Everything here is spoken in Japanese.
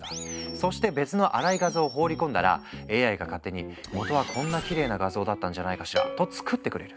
そして別の粗い画像を放り込んだらＡＩが勝手に「元はこんなきれいな画像だったんじゃないかしら」と作ってくれる。